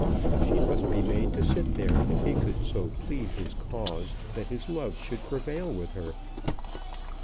She must be made to sit there if he could so plead his cause that his love should prevail with her.